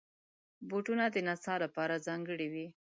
بوټونه د نڅا لپاره ځانګړي وي.